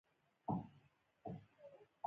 پانګوال او سوداګر له واکمن ګوند سره نږدې کېدل.